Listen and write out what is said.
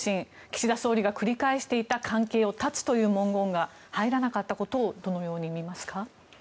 岸田総理が繰り返していた関係を断つという文言が入らなかったことをどのように見ますか。